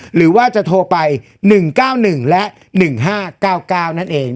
หรือว่าจะโทรไป๑๙๑และ๑๕๙๙นั่นเอง